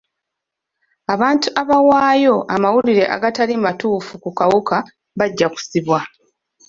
Abantu abawaayo amawulire agatali matuufu ku kawuka bajja kusibwa.